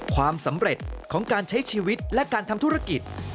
ความสำเร็จของการใช้ชีวิตและการทำธุรกิจ